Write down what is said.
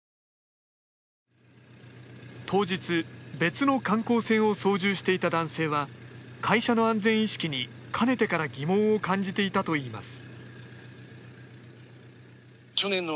当日、別の観光船を操縦していた男性は会社の安全意識に、かねてから疑問を感じていたといいます。